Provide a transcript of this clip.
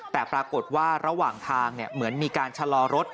แต่ปรากฏว่าระหว่างทางเหมือนมีการชะลอรถ